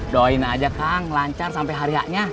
doain aja kang lancar sampai hariaknya